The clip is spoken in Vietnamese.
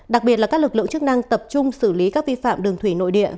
đặc biệt là các lực lượng chức năng tập trung xử lý các vi phạm đường thủy nội địa